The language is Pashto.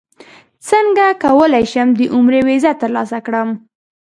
څنګه کولی شم د عمرې ویزه ترلاسه کړم